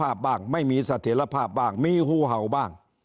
สัทธิรภาพบ้างไม่มีสัทธิรภาพบ้างมีฮูเห่าบ้าง